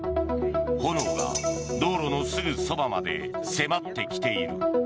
炎が道路のすぐそばまで迫ってきている。